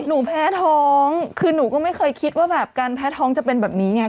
แพ้ท้องคือหนูก็ไม่เคยคิดว่าแบบการแพ้ท้องจะเป็นแบบนี้ไง